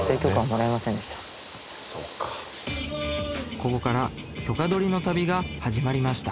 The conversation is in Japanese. ここから許可取りの旅が始まりました